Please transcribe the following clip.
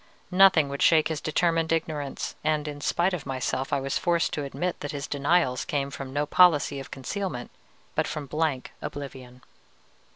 Nothing would shake his determined ignorance, and in spite of myself I was forced to admit that his denials came from no policy of concealment, but from blank oblivion.